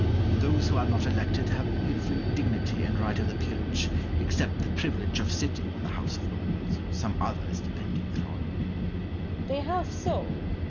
And those who are not elected have every dignity and right of the peerage, except the privilege of sitting in the House of Lords and some others depending thereon.